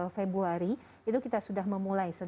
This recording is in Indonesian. februari itu kita sudah memulai